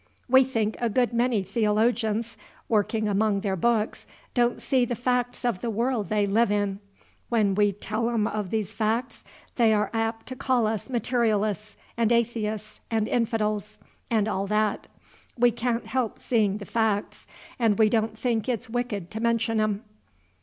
We think a good many theologians, working among their books, don't see the facts of the world they live in. When we tell 'em of these facts, they are apt to call us materialists and atheists and infidels, and all that. We can't help seeing the facts, and we don't think it's wicked to mention 'em."